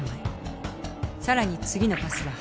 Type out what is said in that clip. さらに次のパスは８枚。